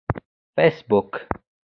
فیسبوک